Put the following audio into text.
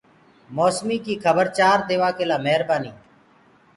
موسمي ڪي کبر چآر ديوآ ڪي لآ مهربآني۔